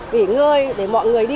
bị ngơi để mọi người đi